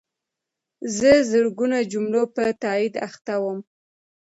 زه د زرګونو جملو په تایید اخته وم.